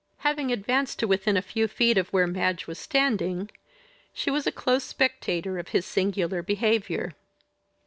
Having advanced to within a few feet of where Madge was standing, she was a close spectator of his singular behaviour.